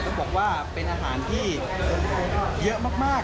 ต้องบอกว่าเป็นอาหารที่เยอะมาก